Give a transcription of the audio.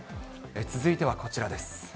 続いてはこちらです。